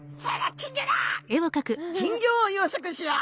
金魚を養殖しよう。